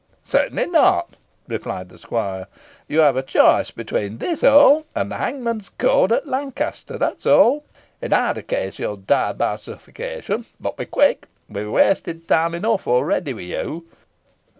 "Certainly not," replied the squire. "You have a choice between this hole and the hangman's cord at Lancaster, that is all. In either case you will die by suffocation. But be quick we have wasted time enough already with you."